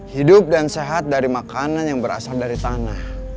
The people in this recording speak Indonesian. hidup dan sehat dari makanan yang berasal dari tanah